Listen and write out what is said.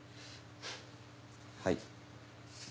はい。